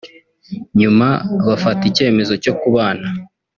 nyuma bafata icyemezo cyo kubana